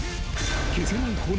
消せない炎。